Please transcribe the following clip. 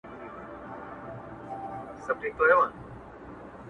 o خواړه د بادار پخېږي، کونه د مينځي سوځېږي